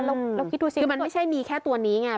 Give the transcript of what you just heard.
เราคิดดูสิคือมันไม่ใช่มีแค่ตัวนี้ไง